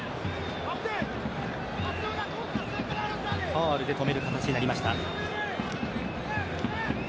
ファウルで止める形になりました。